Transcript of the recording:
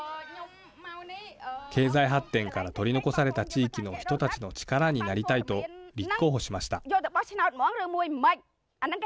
経済発展から取り残された地域の人たちの力になりたいと立候補しました。